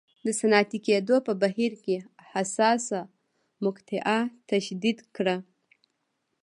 د صنعتي کېدو په بهیر کې حساسه مقطعه تشدید کړه.